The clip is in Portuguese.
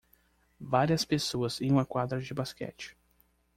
Várias pessoas em uma quadra de basquete.